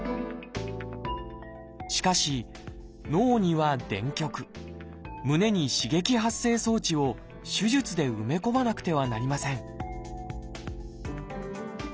しかし脳には電極胸に刺激発生装置を手術で埋め込まなくてはなりません